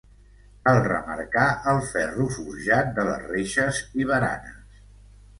Cal remarcar el ferro forjat de les reixes i baranes.